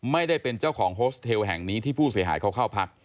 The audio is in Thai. ไม่ได้เป็นเจ้าของโฮสเทลแห่งนี้ที่ผู้เสียหายเขาเข้าพัก